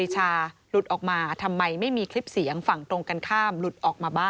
หลุดออกมาบ้างนะคะ